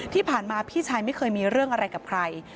ที่ผ่านมาพี่ชายไม่เคยมีเรื่องอะไรกับใคร